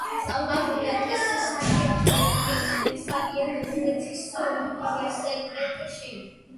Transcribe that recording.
სწავლობდა პოლიტიკას საპიენცის უნივერსიტეტში.